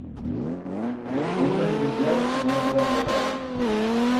Os fuegos artificials no me feban gota gracia.